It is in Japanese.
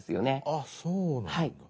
あっそうなんだ。